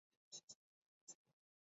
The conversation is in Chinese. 奥克弗尔当。